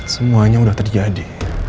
semuanya udah terjadi